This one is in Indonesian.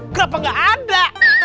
kenapa gak ada